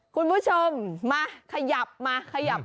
คุณผู้ชมมาขยับมาขยับ